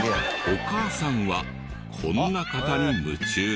お母さんはこんな方に夢中で。